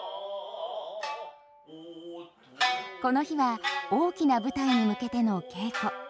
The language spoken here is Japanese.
この日は大きな舞台に向けての稽古。